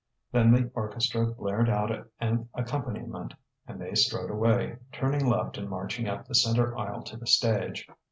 Then the orchestra blared out an accompaniment, and they strode away, turning left and marching up the centre aisle to the stage....